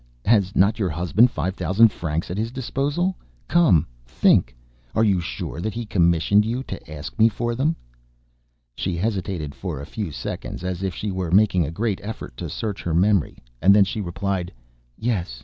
Has not your husband five thousand francs at his disposal! Come, think. Are you sure that he commissioned you to ask me for them?" She hesitated for a few seconds, as if she were making a great effort to search her memory, and then she replied: "Yes